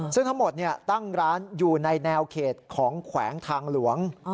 ซึ่งทั้งหมดตั้งร้านอยู่ในแนวเขตของแขวงทางหลวง